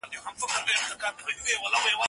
زه به سړو ته خواړه ورکړي وي